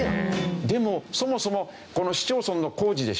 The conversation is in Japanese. でもそもそもこの市町村の工事でしょ？